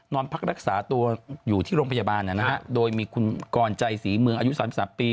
นอนพักรักษาตัวอยู่ที่โรงพยาบาลนะฮะโดยมีคุณกรใจศรีเมืองอายุ๓๓ปี